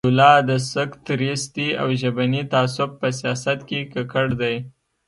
عبدالله د سکتریستي او ژبني تعصب په سیاست کې ککړ دی.